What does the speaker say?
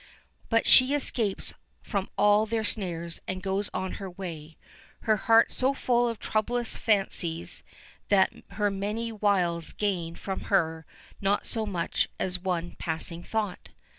But she escapes from all their snares and goes on her way, her heart so full of troublous fancies that their many wiles gain from her not so much as one passing thought.